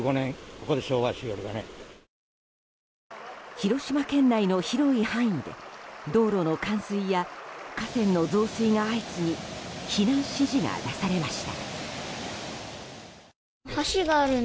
広島県内の広い範囲で道路の冠水や河川の増水が相次ぎ避難指示が出されました。